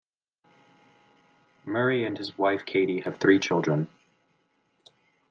Murray and his wife Katie have three children.